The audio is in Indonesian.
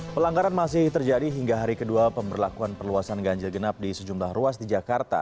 pelanggaran masih terjadi hingga hari kedua pemberlakuan perluasan ganjil genap di sejumlah ruas di jakarta